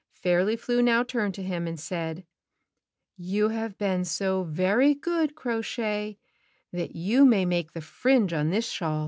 Fairly Flew now turned to him and said, "You have been so very good, Crow Shay, that you may make the fringe on this shawl."